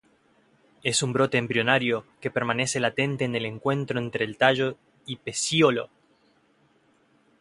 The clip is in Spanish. Es un brote embrionario que permanece latente en el encuentro entre tallo y pecíolo.